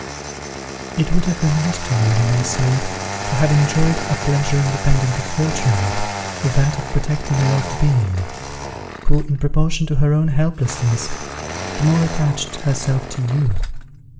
"It would have remained to you, you may say, to have enjoyed a pleasure independent of fortune, that of protecting a loved being, who, in proportion to her own helplessness, had more attached herself to you.